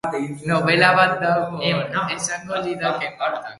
Nobela bat dago hor!, esango lidake Martak?